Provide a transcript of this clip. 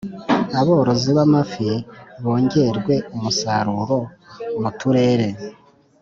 Aborozi b’amafi bongerwe umusaruro muturere